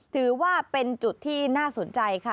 ถือว่าเป็นจุดที่น่าสนใจค่ะ